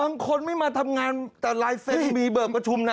บางคนไม่มาทำงานแต่ลายเซ็นต์มีเบิกประชุมนะ